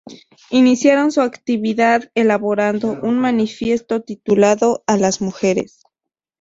Iniciaron su actividad elaborando un manifiesto titulado "A las mujeres".